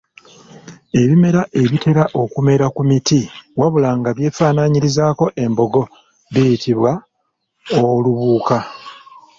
Ebimera ebitera okumera ku miti wabula nga byefaanaanyirizaako embogo biyitibwa Olubuuka.